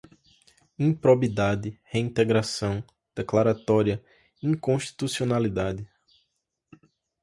improbidade, reintegração, declaratória, inconstitucionalidade